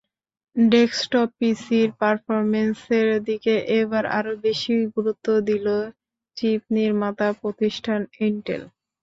Desktop পিসির পারফরমেন্সের দিকে এবার আরও বেশি গুরুত্ব দিল চিপ নির্মাতা প্রতিষ্ঠান ইনটেল।